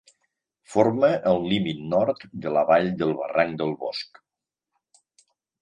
Forma el límit nord de la vall del barranc del Bosc.